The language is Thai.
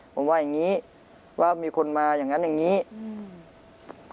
ผมว่าอย่างงี้ว่ามีคนมาอย่างงั้นอย่างงี้อืม